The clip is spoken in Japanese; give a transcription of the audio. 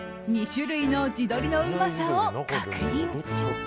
２種類の地鶏のうまさを確認。